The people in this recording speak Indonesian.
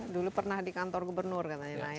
dulu pernah di kantor gubernur katanya